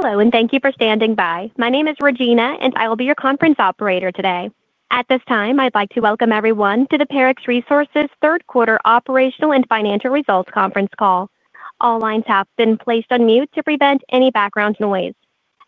Hello, and thank you for standing by. My name is Regina, and I will be your conference operator today. At this time, I'd like to welcome everyone to the Parex Resources third-quarter operational and financial results conference call. All lines have been placed on mute to prevent any background noise.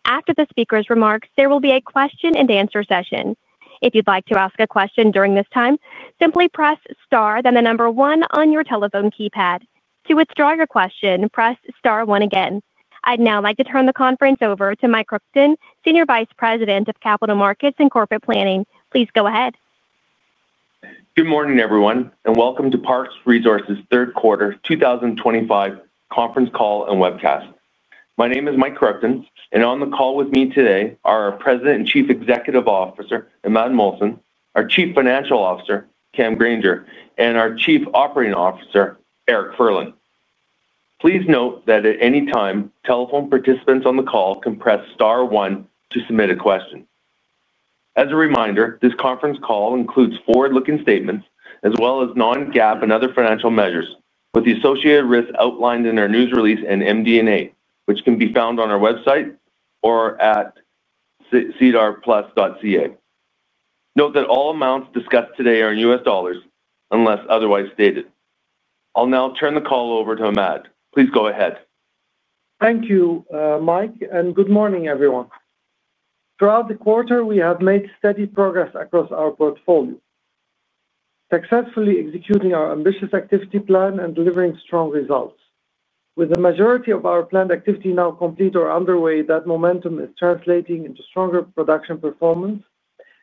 After the speaker's remarks, there will be a question-and-answer session. If you'd like to ask a question during this time, simply press star then the number one on your telephone keypad. To withdraw your question, press star one again. I'd now like to turn the conference over to Mike Kruchten, Senior Vice President of Capital Markets and Corporate Planning. Please go ahead. Good morning, everyone, and welcome to Parex Resources third-quarter 2025 conference call and webcast. My name is Mike Kruchten, and on the call with me today are our President and Chief Executive Officer, Imad Mohsen, our Chief Financial Officer, Cam Grainger, and our Chief Operating Officer, Eric Furlan. Please note that at any time, telephone participants on the call can press star one to submit a question. As a reminder, this conference call includes forward-looking statements as well as non-GAAP and other financial measures, with the associated risks outlined in our news release and MD&A, which can be found on our website or at sedarplus.ca. Note that all amounts discussed today are in U.S. dollars unless otherwise stated. I'll now turn the call over to Imad. Please go ahead. Thank you, Mike, and good morning, everyone. Throughout the quarter, we have made steady progress across our portfolio. Successfully executing our ambitious activity plan and delivering strong results. With the majority of our planned activity now complete or underway, that momentum is translating into stronger production performance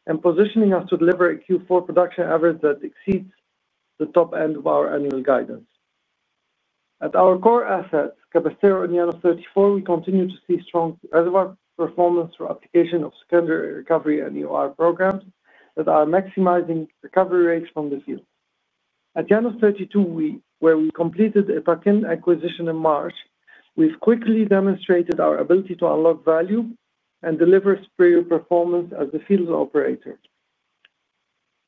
and positioning us to deliver a Q4 production average that exceeds the top end of our annual guidance. At our core assets, Cabrestero and Llanos 34, we continue to see strong reservoir performance through application of secondary recovery and EOR programs that are maximizing recovery rates from the field. At Llanos 32, where we completed a tuck-in acquisition in March, we've quickly demonstrated our ability to unlock value and deliver superior performance as a field operator.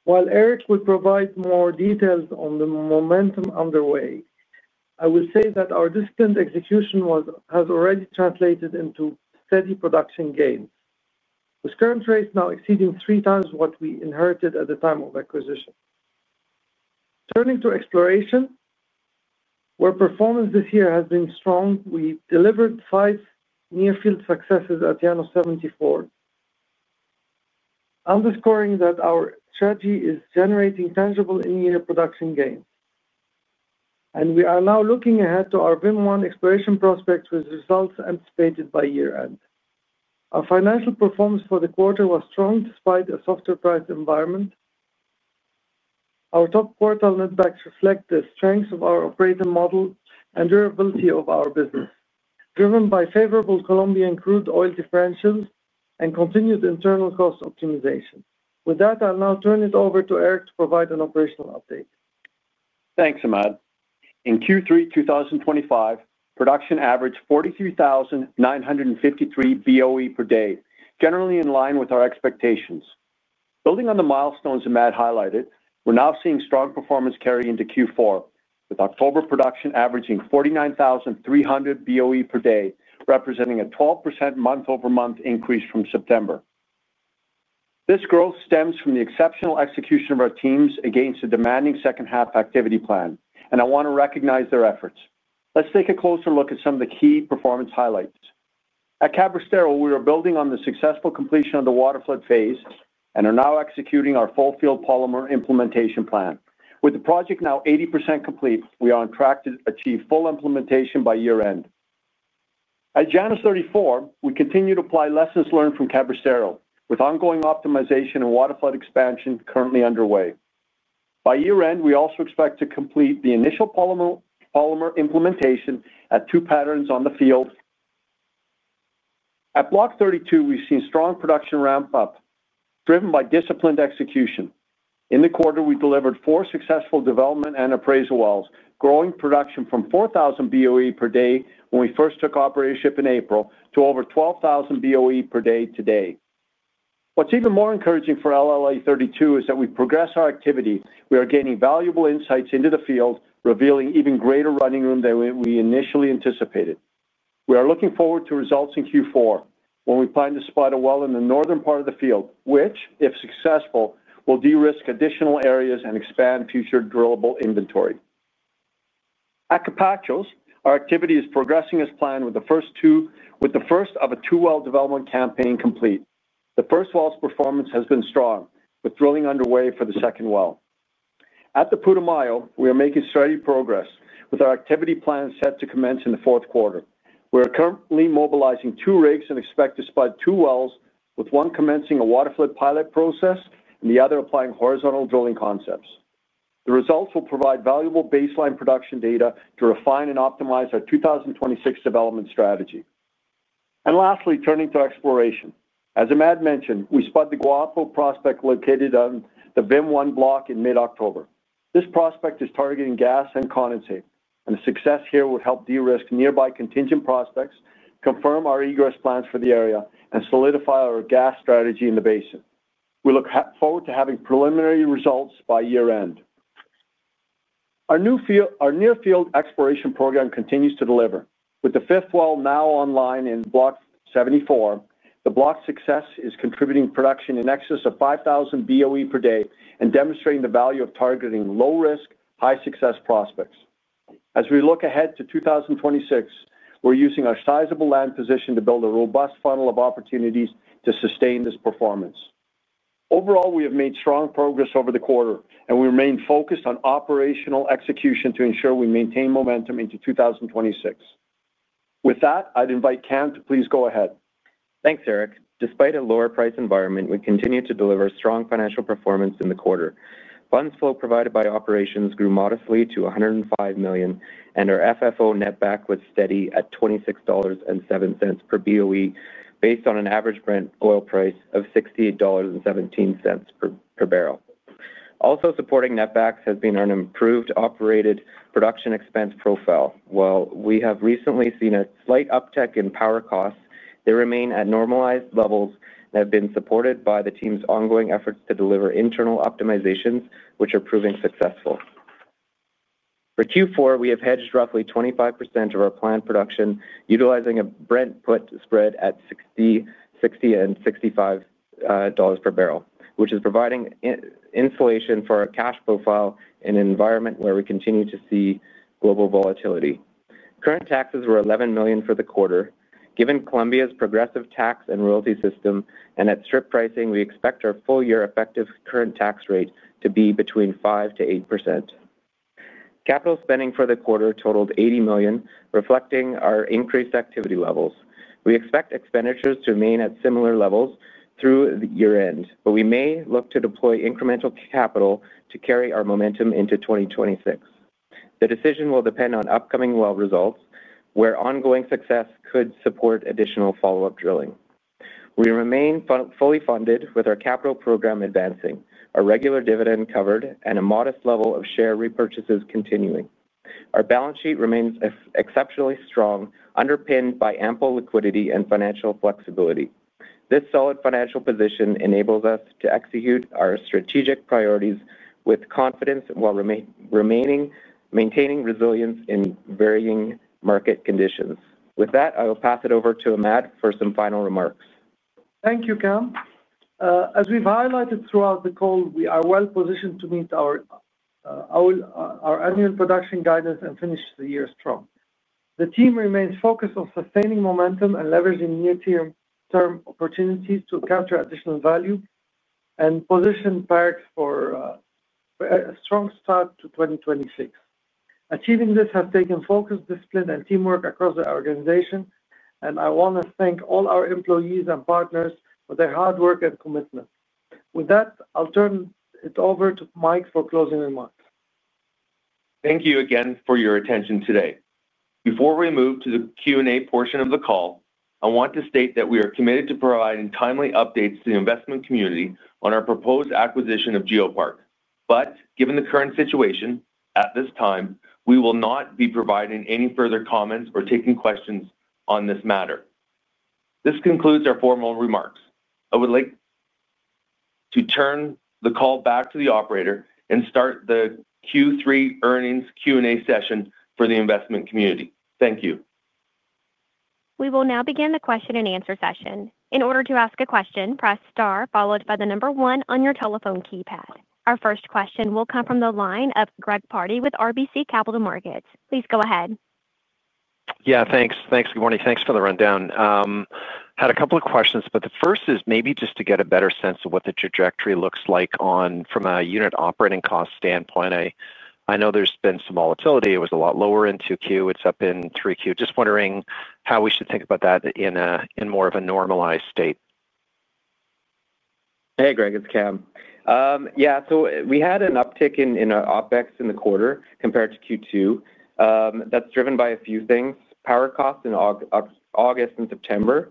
While Eric will provide more details on the momentum underway, I will say that our disciplined execution has already translated into steady production gains, with current rates now exceeding three times what we inherited at the time of acquisition. Turning to exploration, where performance this year has been strong, we delivered five near-field successes at Llanos 74. Underscoring that our strategy is generating tangible in-unit production gains and we are now looking ahead to our VIM-1 exploration prospects with results anticipated by year-end. Our financial performance for the quarter was strong despite a softer price environment. Our top quartile netbacks reflect the strengths of our operating model and durability of our business, driven by favorable Colombian crude oil differentials and continued internal cost optimization. With that, I'll now turn it over to Eric to provide an operational update. Thanks, Imad. In Q3 2025, production averaged 43,953 BOE per day, generally in line with our expectations. Building on the milestones Imad highlighted, we're now seeing strong performance carry into Q4, with October production averaging 49,300 BOE per day, representing a 12% month-over-month increase from September. This growth stems from the exceptional execution of our teams against a demanding second-half activity plan, and I want to recognize their efforts. Let's take a closer look at some of the key performance highlights. At Cabrestero, we are building on the successful completion of the water flood phase and are now executing our full-field polymer implementation plan. With the project now 80% complete, we are on track to achieve full implementation by year-end. At Llanos 34, we continue to apply lessons learned from Cabrestero, with ongoing optimization and water flood expansion currently underway. By year-end, we also expect to complete the initial polymer implementation at two patterns on the field. At block 32, we've seen strong production ramp-up driven by disciplined execution. In the quarter, we delivered four successful development and appraisal wells, growing production from 4,000 BOE per day when we first took operation in April to over 12,000 BOE per day today. What's even more encouraging for LLA-32 is that we've progressed our activity. We are gaining valuable insights into the field, revealing even greater running room than we initially anticipated. We are looking forward to results in Q4 when we plan to spud a well in the northern part of the field, which, if successful, will de-risk additional areas and expand future drillable inventory. At Capachos, our activity is progressing as planned with the first of a two-well development campaign complete. The first well's performance has been strong, with drilling underway for the second well. At the Putumayo, we are making steady progress with our activity plan set to commence in the fourth quarter. We are currently mobilizing two rigs and expect to spud two wells, with one commencing a water flood pilot process and the other applying horizontal drilling concepts. The results will provide valuable baseline production data to refine and optimize our 2026 development strategy. Lastly, turning to exploration. As Imad mentioned, we spud the Guapo prospect located on the VIM-1 block in mid-October. This prospect is targeting gas and condensate, and the success here would help de-risk nearby contingent prospects, confirm our egress plans for the area, and solidify our gas strategy in the basin. We look forward to having preliminary results by year-end. Our Near-Field Exploration Program continues to deliver. With the fifth well now online in block 74, the block success is contributing production in excess of 5,000 BOE per day and demonstrating the value of targeting low-risk, high-success prospects. As we look ahead to 2026, we're using our sizable land position to build a robust funnel of opportunities to sustain this performance. Overall, we have made strong progress over the quarter, and we remain focused on operational execution to ensure we maintain momentum into 2026. With that, I'd invite Cam to please go ahead. Thanks, Eric. Despite a lower-priced environment, we continue to deliver strong financial performance in the quarter. Funds flow from operations grew modestly to $105 million, and our FFO netback was steady at $26.07 per BOE, based on an average Brent oil price of $68.17 per barrel. Also supporting netbacks has been our improved operated production expense profile. While we have recently seen a slight uptick in power costs, they remain at normalized levels and have been supported by the team's ongoing efforts to deliver internal optimizations, which are proving successful. For Q4, we have hedged roughly 25% of our planned production, utilizing a Brent put spread at $60.65 per barrel, which is providing insulation for our cash profile in an environment where we continue to see global volatility. Current taxes were $11 million for the quarter. Given Colombia's progressive tax and royalty system and at strip pricing, we expect our full-year effective current tax rate to be between 5%-8%. Capital spending for the quarter totaled $80 million, reflecting our increased activity levels. We expect expenditures to remain at similar levels through year-end, but we may look to deploy incremental capital to carry our momentum into 2026. The decision will depend on upcoming well results, where ongoing success could support additional follow-up drilling. We remain fully funded with our capital program advancing, our regular dividend covered, and a modest level of share repurchases continuing. Our balance sheet remains exceptionally strong, underpinned by ample liquidity and financial flexibility. This solid financial position enables us to execute our strategic priorities with confidence while maintaining resilience in varying market conditions. With that, I will pass it over to Imad for some final remarks. Thank you, Cam. As we've highlighted throughout the call, we are well positioned to meet our annual production guidance and finish the year strong. The team remains focused on sustaining momentum and leveraging near-term opportunities to capture additional value and position Parex for a strong start to 2026. Achieving this has taken focus, discipline, and teamwork across the organization, and I want to thank all our employees and partners for their hard work and commitment. With that, I'll turn it over to Mike for closing remarks. Thank you again for your attention today. Before we move to the Q&A portion of the call, I want to state that we are committed to providing timely updates to the investment community on our proposed acquisition of GeoPark. But given the current situation at this time, we will not be providing any further comments or taking questions on this matter. This concludes our formal remarks. I would like to turn the call back to the operator and start the Q3 earnings Q&A session for the investment community. Thank you. We will now begin the question-and-answer session. In order to ask a question, press star followed by the number one on your telephone keypad. Our first question will come from the line of Greg Pardy with RBC Capital Markets. Please go ahead. Yeah, thanks. Thanks. Good morning. Thanks for the rundown. Had a couple of questions, but the first is maybe just to get a better sense of what the trajectory looks like from a unit operating cost standpoint. I know there's been some volatility. It was a lot lower in Q2. It's up in Q3. Just wondering how we should think about that in more of a normalized state. Hey, Greg. It's Cam. Yeah, so we had an uptick in our OpEx in the quarter compared to Q2. That's driven by a few things. Power costs in August and September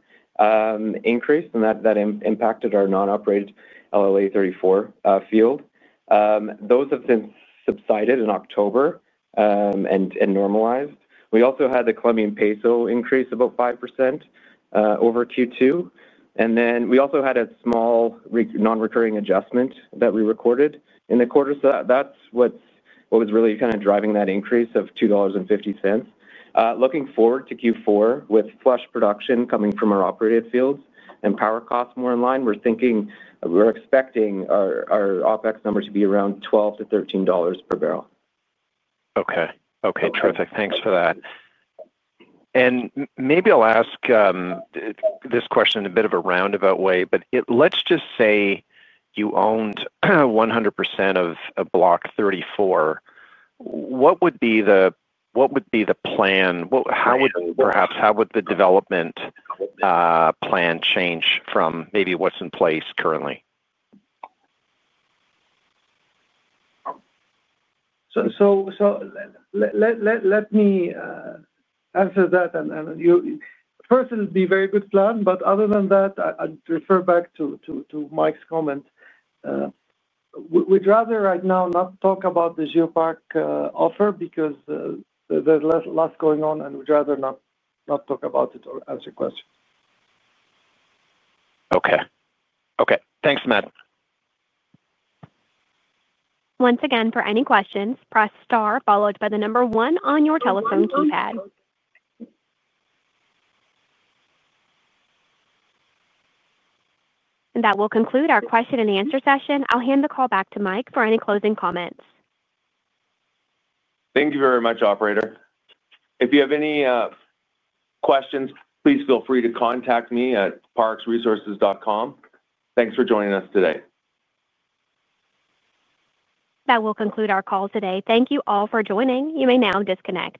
increased, and that impacted our non-operated LLA-34 field. Those have since subsided in October and normalized. We also had the Colombian Peso increase about 5% over Q2. And then we also had a small non-recurring adjustment that we recorded in the quarter. So that's what was really kind of driving that increase of $2.50. Looking forward to Q4 with flush production coming from our operated fields and power costs more in line, we're expecting our OpEx number to be around $12-$13 per barrel. Okay. Okay. Terrific. Thanks for that. And maybe I'll ask this question in a bit of a roundabout way, but let's just say you owned 100% of block 34. What would be the plan? How would perhaps how would the development plan change from maybe what's in place currently? So, let me answer that first. It would be a very good plan, but other than that, I'd refer back to Mike's comment. We'd rather right now not talk about the GeoPark offer because there's less going on, and we'd rather not talk about it or answer questions. Okay. Okay. Thanks, Imad. Once again, for any questions, press star followed by the number one on your telephone keypad, and that will conclude our question-and-answer session. I'll hand the call back to Mike for any closing comments. Thank you very much, operator. If you have any questions, please feel free to contact me at parexresources.com. Thanks for joining us today. That will conclude our call today. Thank you all for joining. You may now disconnect.